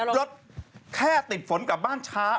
รถแค่ติดฝนกลับบ้านช้า